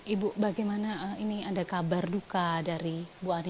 ibu bagaimana ini ada kabar duka dari bu adi